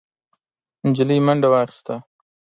نجلۍ منډه واخيسته،